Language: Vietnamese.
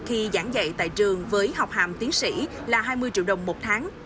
khi giảng dạy tại trường với học hàm tiến sĩ là hai mươi triệu đồng một tháng